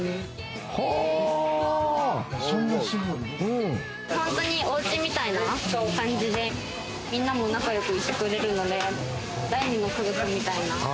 ほんとに、お家みたいな感じで、みんなも仲良くしてくれるので、第二の家族みたいな。